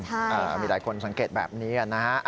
มีหลายคนสังเกตแบบนี้นะฮะ